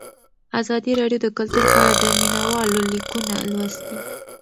ازادي راډیو د کلتور په اړه د مینه والو لیکونه لوستي.